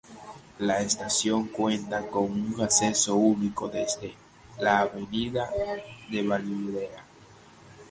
La estación cuenta con un acceso único desde la avenida de Vallvidrera.